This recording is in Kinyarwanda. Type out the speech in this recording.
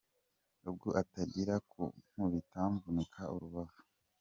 Ubwo atangira ku nkubita mvunika urubavu.